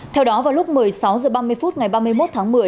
theo đó vào lúc một mươi sáu h ba mươi phút ngày ba mươi một tháng một mươi